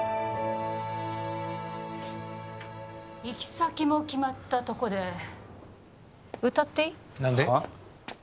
行き先も決まったとこで歌っていい？何で？